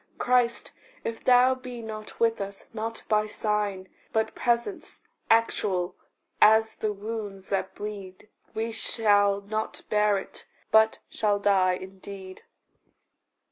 Christ, if thou be not with us not by sign, But presence, actual as the wounds that bleed We shall not bear it, but shall die indeed.